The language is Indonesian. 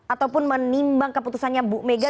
ataupun menimbang keputusannya bu mega